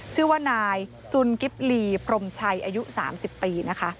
ชื่อว่านายสุนกิฟต์ลีพรมชัยอายุ๓๐ปี